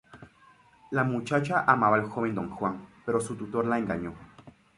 La muchacha amaba al joven don Juan, pero su tutor la engañó.